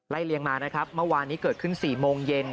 เลียงมานะครับเมื่อวานนี้เกิดขึ้น๔โมงเย็น